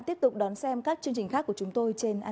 tiếp tục đón xem các chương trình khác của chúng tôi trên antv